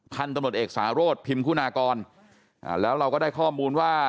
พันธุ์ตำรวจเอกสารสพิมคุณากรอ่าแล้วเราก็ได้ข้อมูลว่า